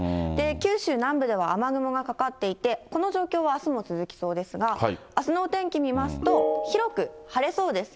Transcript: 九州南部では雨雲がかかっていて、この状況はあすも続きそうですが、あすのお天気見ますと、広く晴れそうです。